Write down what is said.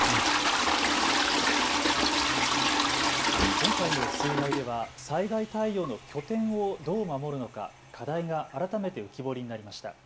今回の水害では災害対応の拠点をどう守るのか課題が改めて浮き彫りになりました。